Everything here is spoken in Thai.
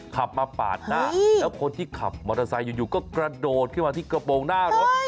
ขับมาปาดหน้าแล้วคนที่ขับมอเตอร์ไซค์อยู่ก็กระโดดขึ้นมาที่กระโปรงหน้ารถ